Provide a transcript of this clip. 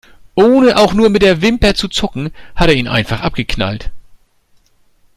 Ohne auch nur mit der Wimper zu zucken, hat er ihn einfach abgeknallt.